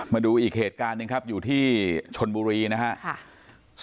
มาดูอีกเหตุการณ์หนึ่งครับอยู่ที่ชนบุรีนะครับ